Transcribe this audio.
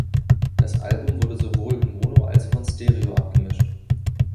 Das Album wurde sowohl in Mono als auch in Stereo abgemischt.